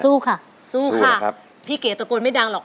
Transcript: สู้ค่ะสู้ค่ะครับพี่เก๋ตะโกนไม่ดังหรอก